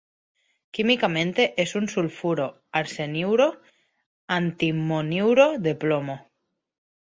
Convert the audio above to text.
Químicamente es un sulfuro-arseniuro-antimoniuro de plomo.